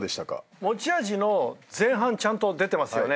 持ち味の前半ちゃんと出てますよね。